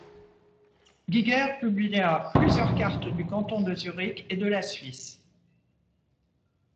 Gyger publia plusieurs cartes du canton de Zurich et de la Suisse.